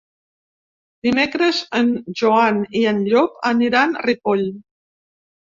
Dimecres en Joan i en Llop aniran a Ripoll.